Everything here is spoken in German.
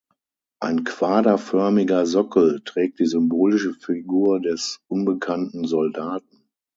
Ein quaderförmiger Sockel trägt die symbolische Figur des „Unbekannten Soldaten“.